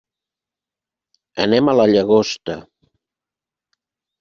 Anem a la Llagosta.